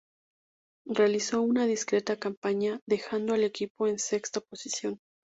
Realizó una discreta campaña dejando al equipo en sexta posición.